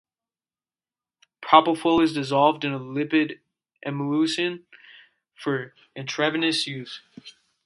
Propofol is dissolved in a lipid emulsion for intravenous use.